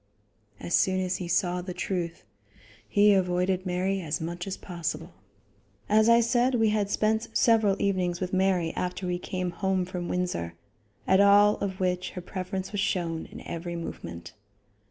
As soon as he saw the truth, he avoided Mary as much as possible. As I said, we had spent several evenings with Mary after we came home from Windsor, at all of which her preference was shown in every movement.